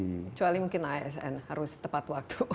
kecuali mungkin asn harus tepat waktu